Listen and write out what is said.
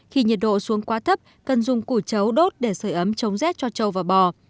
khi nhiệt độ xuống quá thấp cần dùng củi chấu đốt để sửa ấm chống rét cho châu và bò